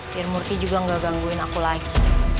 biar murthy juga gak gangguin aku lagi